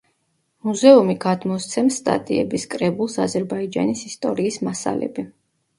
მუზეუმი გამოსცემს სტატიების კრებულს „აზერბაიჯანის ისტორიის მასალები“.